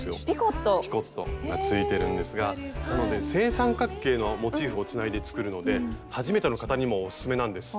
ピコットがついてるんですがなので正三角形のモチーフをつないで作るので初めての方にもおすすめなんです。